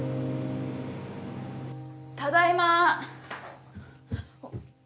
ただいま。